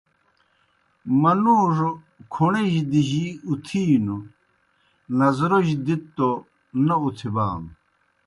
منُوڙوْ کھوْݨِجیْ دِجِی اُتِھینوْ، نظروجیْ دتوْ تو نہ اُتھبانوْ